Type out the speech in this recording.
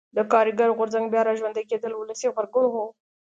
د کارګر غورځنګ بیا را ژوندي کېدل ولسي غبرګون و.